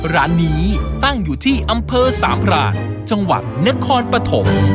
ร้านนี้ตั้งอยู่ที่อำเภอ๓ผลาญจังหวัดเนื้อคอนปะถม